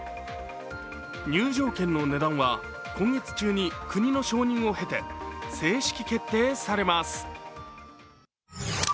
入場券の値段は今月中に国の承認を経て正式決定されます。